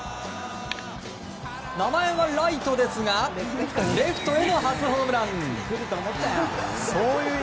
名前は「らいと」ですがレフトへの初ホームラン！